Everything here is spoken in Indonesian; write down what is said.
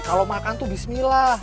kalau makan tuh bismillah